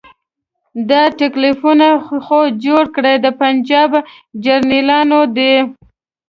دا تکلیفونه خو جوړ کړي د پنجاب جرنیلانو دي.